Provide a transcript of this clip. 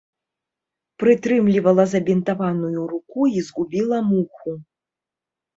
Прытрымлівала забінтаваную руку і згубіла муху.